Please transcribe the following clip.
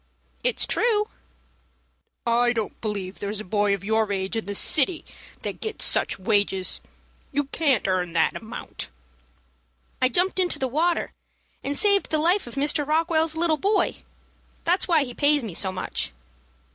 "It's true." "I don't believe there's a boy of your age in the city that gets such wages. You can't earn that amount." "I jumped into the water, and saved the life of Mr. Rockwell's little boy. That's why he pays me so much."